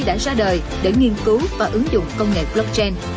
đã ra đời để nghiên cứu và ứng dụng công nghệ blockchain